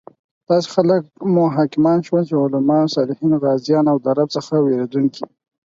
داسې خلک مو حاکمان شول چې علماء، صالحین، غازیان او د رب څخه ویریدونکي